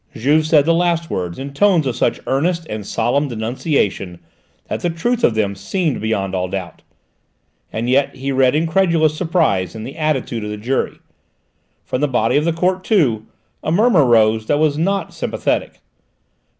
Juve said the last words in tones of such earnest and solemn denunciation that the truth of them seemed beyond all doubt. And yet he read incredulous surprise in the attitude of the jury. From the body of the court, too, a murmur rose that was not sympathetic.